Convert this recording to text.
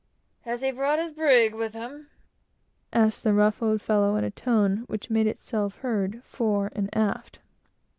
"Has he brought his brig with him?" said the rough old fellow, in a tone which made itself heard fore and aft.